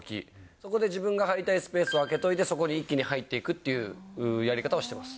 そこで自分が入りたいスペースを空けといて、そこに一気に入っていくというやり方をしてます。